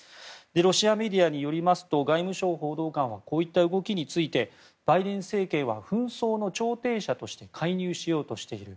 ロシアメディアによりますと外務省報道官はこういった動きについてバイデン政権は紛争の調停者として介入しようとしている。